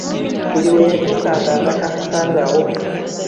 Buli we yatuukanga nga tamusaga wo..